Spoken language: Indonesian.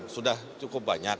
sudah cukup banyak